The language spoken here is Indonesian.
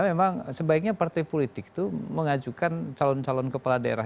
memang sebaiknya partai politik itu mengajukan calon calon kepala daerah